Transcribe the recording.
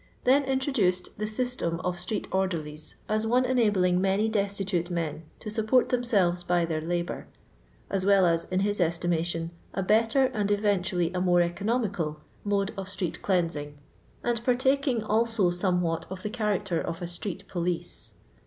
then introduced the system of street orderlies, as one enablinff many destitute men to support themselres by ueir labour ; as well as, in his estimation, a better, and OTentually a more economical, mode of streetrcleansing, and partaking also somewhat of the character of a street police.